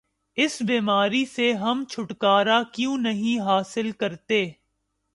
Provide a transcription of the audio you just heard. اس بیماری سے ہم چھٹکارا کیوں نہیں حاصل کرتے؟